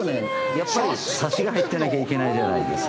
やっぱりサシが入ってなきゃいけないじゃないですか。